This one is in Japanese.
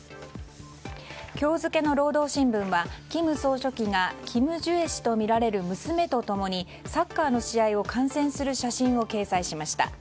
今日付の労働新聞は金総書記がキム・ジュエ氏とみられる娘と共にサッカーの試合を観戦する写真を掲載しました。